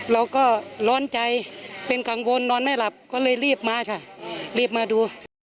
เราก็ร้อนใจเป็นกังวลนอนไม่หลับก็เลยรีบมาค่ะรีบมาดู